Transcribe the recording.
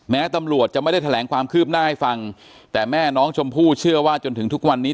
แม้ตำรวจจะไม่ได้แถลงความคืบหน้าให้ฟังแต่แม่น้องชมพู่เชื่อว่าจนถึงทุกวันนี้